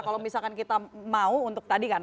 kalau misalkan kita mau untuk tadi kan